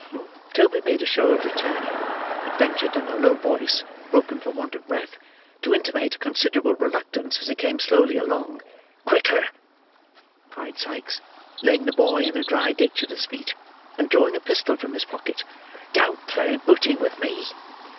Toby made a show of returning; but ventured, in a low voice, broken for want of breath, to intimate considerable reluctance as he came slowly along. "Quicker!" cried Sikes, laying the boy in a dry ditch at his feet, and drawing a pistol from his pocket. "Don't play booty with me."